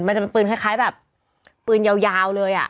มันจะเป็นปืนคล้ายแบบปืนยาวเลยอ่ะ